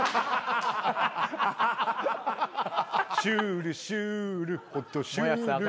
「シュールシュールホトシュール」